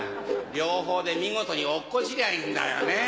両方で見事に落っこちりゃいいんだよね。